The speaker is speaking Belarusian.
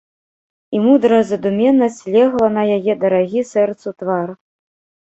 І мудрая задуменнасць легла на яе дарагі сэрцу твар.